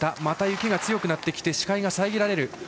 また雪が強くなってきて視界が遮られる。